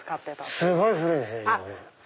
すごい古いんですね。